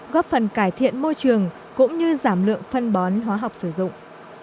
góp phần cải thiện môi trường cũng như giảm lượng phân bón hóa học sử dụng